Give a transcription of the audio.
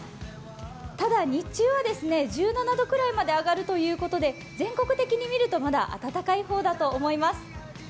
ただ、日中は１７度くらいまで上がるということで全国的に見るとまだ暖かい方だと思います。